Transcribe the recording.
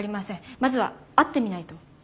まずは会ってみないと。